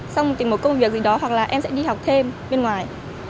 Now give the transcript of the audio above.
xong tìm một công việc gì đó hoặc là em sẽ đi học thêm bên ngoài